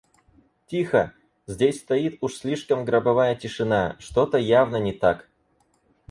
Тихо! Здесь стоит уж слишком гробовая тишина, что-то явно не так.